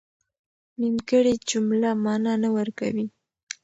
نيمګړې جمله مانا نه ورکوي.